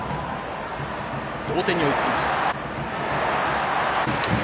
同点に追いつきました。